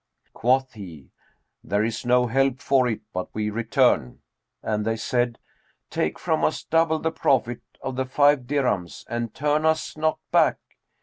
Quoth he, 'There is no help for it but we return;' and they said, 'Take from us double the profit of the five dirhams, and turn us not back.'